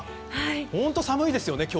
本当寒いですよね。